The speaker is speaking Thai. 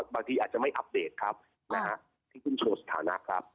บางทีอาจจะไม่อัปเดตครับที่คุณโชว์สถานะครับ